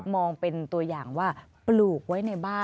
มองเป็นตัวอย่างว่าปลูกไว้ในบ้าน